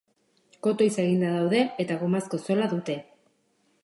Kotoiz eginda daude eta gomazko zola dute.